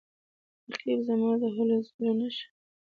رقیب زما د هلو ځلو نښه ده